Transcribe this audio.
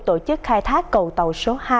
tổ chức khai thác cầu tàu số hai